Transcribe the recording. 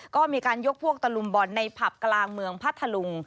ก็มีการยกพวกตะลุมบ่อนในผับกลางเมืองพัทธลุง